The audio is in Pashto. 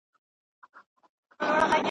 یو څه له پاسه یو څه له ځانه,